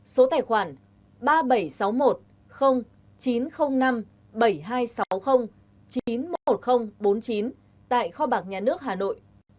số tài khoản ba nghìn bảy trăm sáu mươi một chín trăm linh năm bảy nghìn hai trăm sáu mươi chín mươi một nghìn bốn mươi chín tại kho bạc nhà nước hà nội